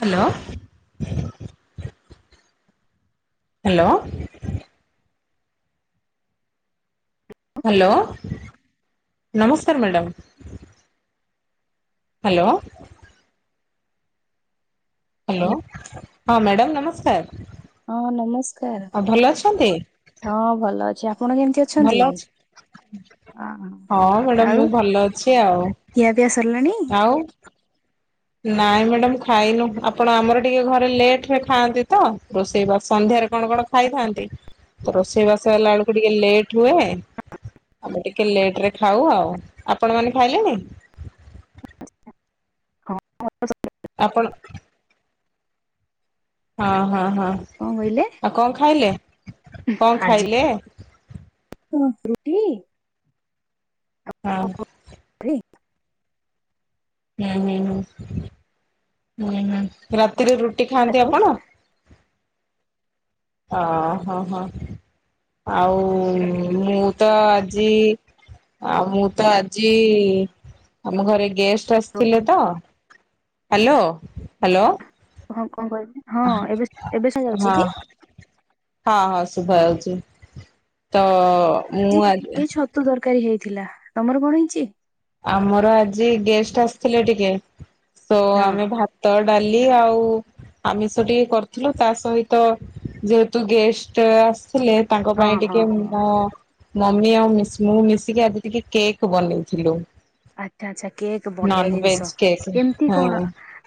Hello. Hello. Hello ନମସ୍କାର madam. Hello. Hello ହଁ madam ନମସ୍କାର। ହଁ ନମସ୍କାର, ଆଉ ଭଲ ଅଛନ୍ତି ହଁ ଭଲ ଅଛି, ଆପଣ କେମତି ଅ ଭଲ ଅଛି। ହୋ ହଁ ମ୍ୟାଡ଼ାମ ଆଉ ମୁଁ ଭଲ ଅଛି ଆଉ, ଖିଆ ପିଆ ସରିଲାଣି? ଆଉ ନାଇଁ ମ୍ୟାଡ଼ାମ ଖାଇନୁ ଆପଣ ଆମର ଟିକେ ଘରେ ଲେଟ ରେ ଖାଆନ୍ତି ତ, ରୋଷେଇ ବା ସନ୍ଧ୍ୟାରେ କଣ କଣ। ଖାଇଥାନ୍ତି ତ, ରୋଷେଇ ବାସହେଲା ଳକୁ ଟିକେ ଲେଟ ହୁଏ। ଆମେ ଟିକେ ଲେଟ ରେ ଖାଉ ଆଉ, ଆପଣ ମାନେ ଖାଇଲେଣି? ହଁ [unintelligible] ଆପଣ ହଁ ହଁ ହଁ, କହିଲେ ଆଉ କଣ ଖାଇଲେ? କଣ ଖାଇଲେ? ଉଁ ରୁଟି। ହଁ। [inaudible] ହୁଁ ହୁଁ ହୁଁ ହୁଁ ହୁଁ ରାତିରେ ରୁଟି ଖାଆନ୍ତି ଆଉ ଆପଣ? ଅ ହଁ ହଁ ଆଉ ମୁଁ ତ ଆଜି ଆଉ ମୁଁ ତ ଆଜି, ଆମ ଘରେ ଗେଷ୍ଟ ଆସିଥିଲେ ତ। Hello hello. ହଁ କଣ କହିଲେ? ହଁ ଏବେ ଏବେ ଯାଉଛି କି ହଁ ହଁ ହଁ ଶୁଭା ଯାଉଚି। ତ ମୁଁ ଆଜି [inaudible] ଏଇ ଛତୁ ତରକାରୀ ହେଇଥିଲା। ତମର କଣ ହେଇଚି? ଆମର ଆଜି ଗେଷ୍ଟ ଆସିଥିଲେ ଟିକେ, ତ ହଁ ଆମେ ଭା ତ, ଡାଲି ଆଉ ଆମିଷ ଟିକେ କରିଥିଲୁ, ତା ସହିତ ଯେହେତୁ ଗେଷ୍ଟ ଆସିଥିଲେ ତାଙ୍କ ହଁ ପାଇଁ ହଁ ଟିକେ ହଁ ମୁମୋ ମମି ଆଉ ମିଶ୍ ମୁଁ ମିଶିକି ଆଜି ଟିକେ କେକ୍ ବନେଇଥିଲୁ। ଆଚ୍ଛା ଆଚ୍ଛା କେକ୍ ବଢିଆ ନନଭେଜ ଜିନିଷ। କେକ୍ କେମିତି ହଁ କଣ?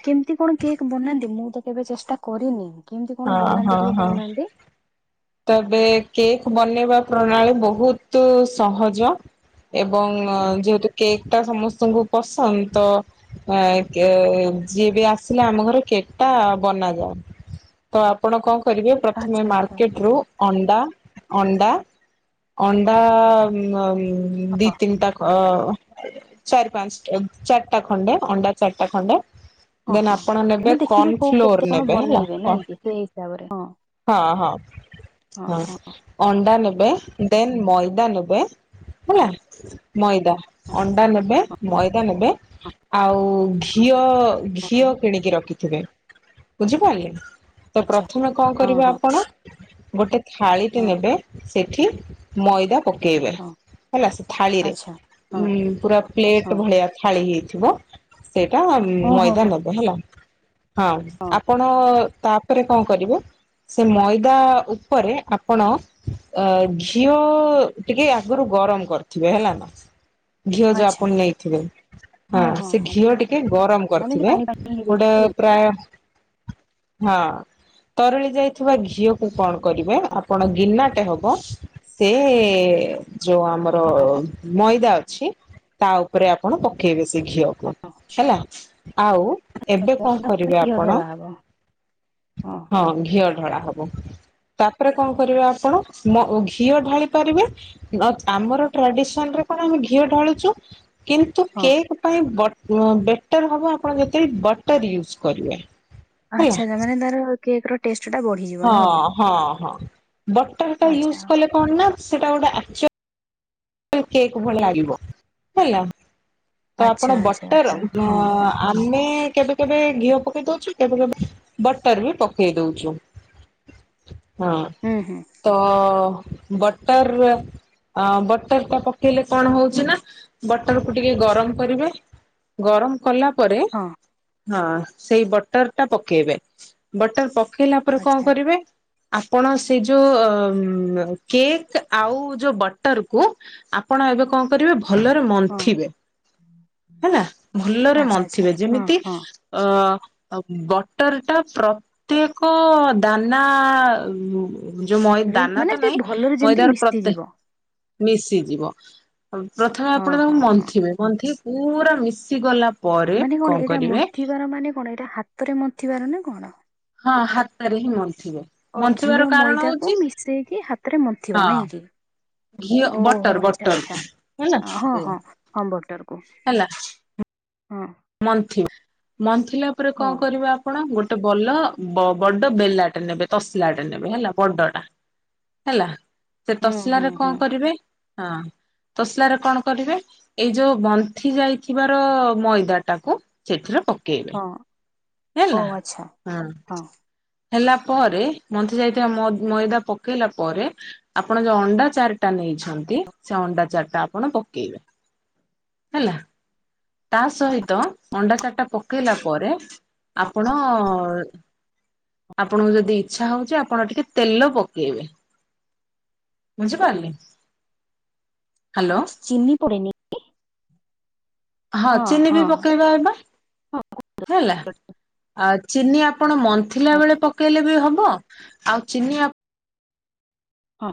କେମିତି କଣ କେକ୍ ବନାନ୍ତି, ମୁଁ ତ କେବେ ଚେଷ୍ଟା କରିନି, କେମିତି ହଁ କଣ ହଁ ବନାନ୍ତି ଟିକେ ହଁ କହୁନାହାନ୍ତି। ତେବେ କେକ୍ ବନେଇବା ପ୍ରଣାଳୀ ବହୁତୁ ସହଜ। ଏବଂ ହଁ ଯେହେତୁ କେକ୍ ଟା ସମସ୍ତଙ୍କୁ ପସନ୍ଦ ତ ଆ କେ ଯିଏ ବି ଆସିଲେ ଆମ ଘରେ କେକ୍ ଟା ବନାଯାଏ। ତ ଆପଣ କଣ କରିବେ ପ୍ରଥମେ ଆଚ୍ଛା ଆଚ୍ଛା ଆଚ୍ଛା ମାର୍କେଟ ରୁ ଅଣ୍ଡା ଅଣ୍ଡା ଅଣ୍ଡା ମ ଉମ୍ ଦି ହଁ ତିନିଟା ଅ ଚାରି ପାଞ୍ଚ ଚାରିଟା ଖଣ୍ଡେ ଅଣ୍ଡା ଚାରିଟା ଖଣ୍ଡେ। ଅ ଦେନ୍ ହ ଆପଣ ନେବେ ମାନେ ଦେଖିବେ କୋଉ କର୍ଣଫ୍ଲୋର କେତେ କଣ ନେବେ ହେଲା ବନେଇବେ ନାଇଁ କି ସେଇ ହିସାବରେ ହଁ। ହଁ ହଁ ହଁ ଅଣ୍ଡା ନେବେ ଦେନ୍ ମଇଦା ନେବେ। ହେଲା, ହଁ ମଇଦା ଅଣ୍ଡା ନେବେ। ହଁ ମଇଦା ନେବେ ହଁ ଆଉ ଘିଅ ହଁ ଘିଅ ହଁ। କିଣିକି ରଖି ଥିବେ ବୁଝିପାରିଲେ। ତ ଆଚ୍ଛା ପ୍ରଥମେ କଣ ହଁ କରିବେ ହଁ ଆପଣ, ଗୋଟେ ଥାଳିଟେ ହଁ ନେବେ। ସେଠି ମଇଦା ପକେଇବେ ହଁ ହେଲା ସେ ଥାଳିରେ ଆଚ୍ଛା ହଁ ଉଁ ପୁରା ପ୍ଲେଟ ହଁ ଭଳିଆ ଥାଳି ହେଇଥିବ। ସେଇଟା ଓହୋ ମଇଦା ହୋ ନେବେ ହେଲା ହଁ ଆପଣ ତା ପରେ କଣ କରିବେ। ସେ ମଇଦା ଉପରେ ଆପଣ ଅ ଘିଅ ଟିକେ ଆଗୁରୁ ଗରମ କରିଥିବେ ହେଲା ନା। ଘିଅ ଯୋ ଆଚ୍ଛା ଆପଣ ନେଇଥିବେ। ହଁ ସେ ଘିଅ ଟିକେ ଗରମ ମାନେ ଯେ କରିଥିବେ। ପାଣି ପାଣି ଗୋଟେ ହେଇଯାଇଥିବ ଯେମିତି ପ୍ରାୟ ହଁ ତରଳି ଯାଇଥିବା ଘିଅକୁ କଣ କରିବେ ହଁ ଆପ୍ ପଣ ଗିନାଟେ ହବ। ସେ ଯୋଉ ଆମର ହଁ ମଇଦା ଅଛି, ତା ଉପରେ ଆପଣ ପ ପକେଇବେ ସେ ଘିଅକୁ ହଁ ହେଲା ଆଉ ଏବେ କଣ [inaudible] କରିବେ ଘିଅ ଆପଣ ଢଳା ହବ ହଁ। ହଁ ଘିଅ ଢଳା ହବ ତାପରେ କଣ କରିବେ ଆପଣ ମ ଘିଅ ଢାଳି ପାରିବେ ଆମର ଟ୍ରାଡିସନରେ କଣ ଆମେ ଘିଅ ଢାଳୁଛୁ କିନ୍ତୁ ହଁ କେକ୍ ପାଇଁ ବେଟର ହବ ଆପଣ ଯେତେଳେ ବଟର ୟୁଜ କରିବେ। ହେଲା ଆଚ୍ଛା ଆ ମାନେ ତାର କେକ୍ ର ଟେଷ୍ଟ ଟା ବଢ ହଁ ହଁ ହଁ ବଟରଟା ଆଚ୍ଛା ୟୁଜ କଲେ କଣ ନା ସେଟା ଗୋଟେ ଆକ୍ କେକ୍ ଭଳି ଲାଗିବ ହେଲା ତ ଆଚ୍ଛା ଆପଣ ଆଚ୍ଛା ଆଚ୍ଛା ବଟର ହଁ ହଁ ଆମେ କେବେ କେବେ ଘିଅ ପକେଇ ଦଉଛୁ କେବେ କେବେ ବଟର ବି ପକେଇ ଦଉଛୁ। ହଁ ହୁଁ ହୁଁ ତ ବଟର ବଟର ଟା ପକେଇଲେ କଣ ହଉଛି ନା ବଟର କୁ ଟିକେ ଗ ଗରମ କରିବେ ଗରମ କଲା ପରେ ହଁ ହଁ ସେଇ ବଟର ଟା ପକେଇବେ ବଟର ପକେଇଲା ପରେ କଣ ଆଚ୍ଛା କରିବେ ଆପଣ ସେ ଯୋଉ କେକ୍ ଆଉ ଯୋଉ ବଟରକୁ ଆପଣ ଏବେ କଣ କରିବେ ଭଲରେ ହଁ ମନ୍ଥିବେ। ହେଲା ଭଲରେ ଆଚ୍ଛା ଆଚ୍ଛା ମନ୍ଥିବେ ହଁ ଯେମିତି ହଁ ଅ ବଟର ଟା ପ୍ରତ୍ୟେକ ଦାନା ଯୋଉ ମଇ ରେ ଦାନା ମାନେ ତ ସେ ନାଇଁ ଭଲରେ ଯେମିତି ମଇଦାର ପ୍ରତ୍ୟେ ମିଶିଯିବ ମିଶିଯିବ ପ୍ରଥମେ ହଁ ଆପଣ ତାଙ୍କୁ ହଁ ହଁ ମନ୍ଥିବେ ମନ୍ଥି ପୁରା ମିଶିଗଲା ମାନେ କଣ ଏଇଟା ମନ୍ଥିବାର ମାନେ କଣ ଏଇଟା ହାତରେ ମନ୍ଥିବାର ନା କଣ? ହଁ ହାତରେ ହିଁ ମନ୍ଥିବେ। ଓ ମନ୍ଥିବାର ଘିଅ କାରଣ ମଇଦାକୁ ହଉଛି ମିଶେଇକି ହାତରେ ମନ୍ଥଥିବା ହଁ ନାଇକି। ଘିଅ ଓ ବଟର ହୋ ଆଚ୍ଛା ବଟର ଆଛା ହେଲା ହଁ ହଁ ହଁ ବଟର କୁ। ହଁ ମନ୍ ମନ୍ଥିଲା ପରେ ହଁ। କଣ କରିବା। କଣ ଗୋଟେ ବଲ ବଡ ବେଲାଟେ ନେବେ ତସଲାଟେ ନେବେ ହେଲା ବଡ ଟା। ହେଲା ସେ ହୁଁ ହୁଁ ତସଲାରେ ହୁଁ କଣ କରିବେ ହଁ ତୋସଲାରେ କଣ କରିବେ ଏଇ ଯୋଉ ବନ୍ଥି ଯାଇଥିବାର ମଇଦା ତାକୁ ସେଥିରେ ପକେଇବେ। ହଁ ଓ ହେଲା ଆଚ୍ଛା ହଁ। ହେଲା ପରେ ମନ୍ଥି ଯାଇଥିବା ମଇଦା ପକେଇଲା ପରେ ଆପଣ ଯୋଉ ଅଣ୍ଡା ଚାରି ଟା ନେଇଛନ୍ତି ସେ ଅଣ୍ଡା ଚାରି ଟା ଆପଣ ପକେଇବେ। ହେଲା ତା ସହିତ ଅଣ୍ଡା ଚାରିଟା ପକେଇଲା ପରେ ଆପଣ ଆପଣଙ୍କୁ ଯଦି ଇଚ୍ଛା ହଉଛି ଆପଣ ଟିକେ ତେଲ ପକେଇବେ। ବୁଝିପାରିଲେ? ହ୍ୟାଲୋ ଆଛା ଚିନି ପଡ଼େନି କି? ହଁ ଚିନି ବି ପକେଇବା ଏବେ ହଁ ହେଲା। ଆ ଚିନି ଆପଣ ହଁ। ମନ୍ଥିଲା ବେଳେ ପକେଇଲେ ବି ହବ ଆଉ ଚିନି ହଁ